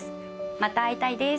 「また会いたいです。